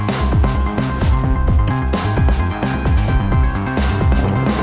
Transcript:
รถคุณโชนรถผม